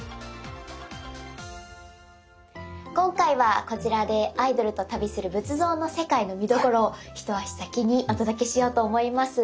今回はこちらで「アイドルと旅する仏像の世界」の見どころを一足先にお届けしようと思います。